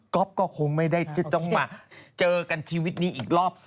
ก็คงไม่ได้จะต้องมาเจอกันชีวิตนี้อีกรอบ๒